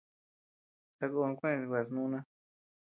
Sakón cheʼës nguas núna.